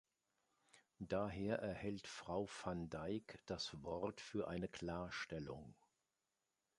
Daher erhält Frau van Dijk das Wort für eine Klarstellung.